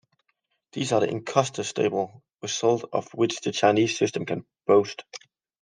These are the incontestable results of which the Chinese system can boast.